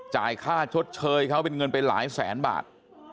จ่ายค่าชดเชยเขาเป็นเงินไปหลายแสนบาท